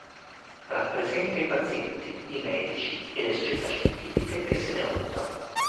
Rappresenta i pazienti, i medici e le società scientifiche che se ne occupano.